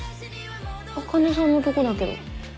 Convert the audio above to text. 茜さんのとこだけど。